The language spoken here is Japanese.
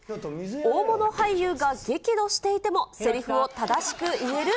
大物俳優が激怒していても、せりふを正しく言える？